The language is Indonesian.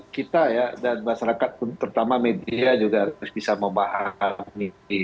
kita ya dan masyarakat pun terutama media juga harus bisa memahami